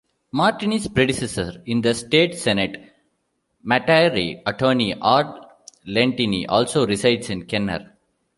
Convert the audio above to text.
Martiny's predecessor in the state Senate, Metairie attorney Art Lentini, also resides in Kenner.